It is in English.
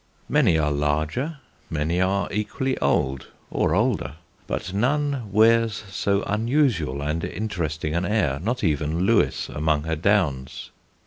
Many are larger, many are equally old, or older; but none wears so unusual and interesting an air, not even Lewes among her Downs.